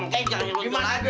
kencengnya lo tuh